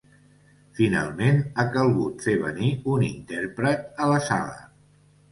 Finalment ha calgut fer venir un intèrpret a la sala.